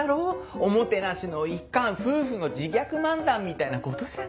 おもてなしの一環夫婦の自虐漫談みたいなことじゃんか。